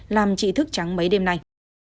làm chị thức trắng mấy đêm nay